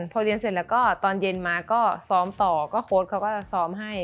พอเรียนเสร็จแล้วก็ตอนเย็นมาก็ซ้อมต่อก็โค้ดเขาก็จะซ้อมให้